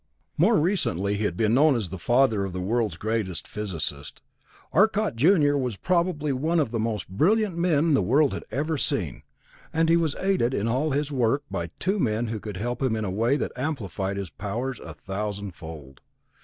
More recently he had been known as the father of the world's greatest physicist. Arcot junior was probably one of the most brilliant men the world had ever seen, and he was aided in all his work by two men who could help him in a way that amplified his powers a thousand fold.